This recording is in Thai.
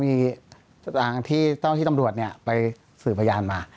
เพราะมีเจ้าที่ตำรวจไปสื่อบรรยานมา